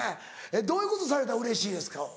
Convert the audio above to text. どういうことされたらうれしいですか？